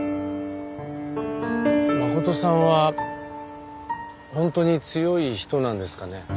真琴さんは本当に強い人なんですかね？